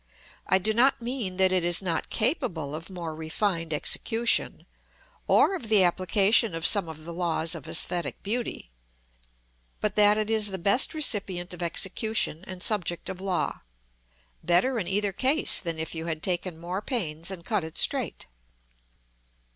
I do not mean that it is not capable of more refined execution, or of the application of some of the laws of æsthetic beauty, but that it is the best recipient of execution and subject of law; better in either case than if you had taken more pains, and cut it straight.